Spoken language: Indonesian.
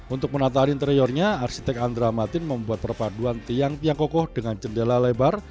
untuk menata interiornya arsitek andra matin membuat perpaduan tiang tiang kokoh dengan jendela lebar